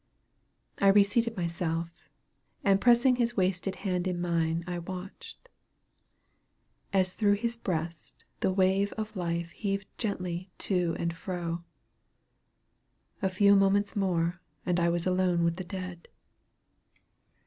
I reseated myself, and pressing his wasted hand in mine, I watched, "As through his breast, the wave of life Heaved gently to and fro." A few moments more, and I was alone with the dead.